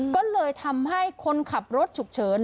ก็เลยทำให้คนขับรถฉุกเฉิน